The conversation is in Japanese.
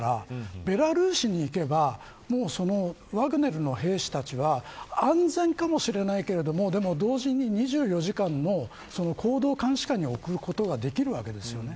ベラルーシに行けば、ワグネルの兵士たちは安全かもしれないけど同時に２４時間の行動監視下に置くことができるわけです。